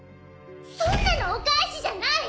そんなのお返しじゃない！